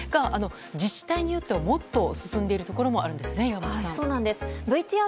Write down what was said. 自治体によってはもっと進んでいるところもあるんですよね、岩本さん。